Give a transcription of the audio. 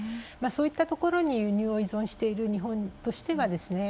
そういったところに輸入を依存している日本としてはですね